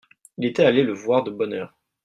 Il était allé le voir de bonne heure.